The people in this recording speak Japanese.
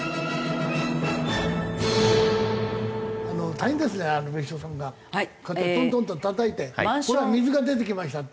大変ですね別所さんがこうやってトントンとたたいて水が出てきましたって。